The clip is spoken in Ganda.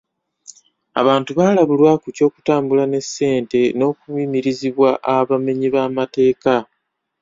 Abantu baalabulwa ku ky'okutambula ne ssente n'okuyimirizibwa abamenyi b'amateeka.